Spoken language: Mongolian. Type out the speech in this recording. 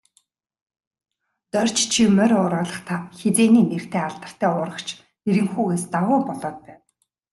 Дорж чи морь уургалахдаа, хэзээний нэртэй алдартай уургач Нэрэнхүүгээс давуу болоод байна.